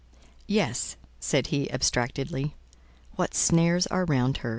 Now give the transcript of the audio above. "Yes," said he abstractedly. "What snares are round her!"